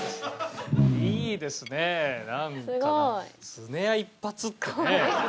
スネア一発ってね。